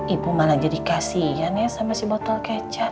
ibu malah jadi kasian ya sama si botol kecap